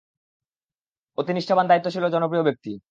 অতি নিষ্ঠাবান দায়িত্বশীল ও জনপ্রিয় ব্যক্তি।